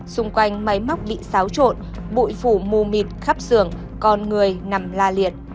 xung quanh máy móc bị xáo trộn bụi phủ mù mịt khắp sườn con người nằm la liệt